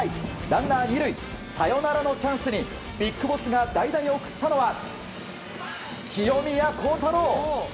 ランナー２塁サヨナラのチャンスにＢＩＧＢＯＳＳが代打に送ったのは清宮幸太郎。